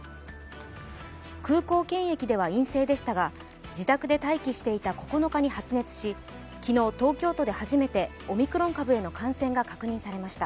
空港検疫では陰性でしたが、自宅で待機していた９日に発熱し、昨日、東京都で初めてオミクロン株への感染が確認されました。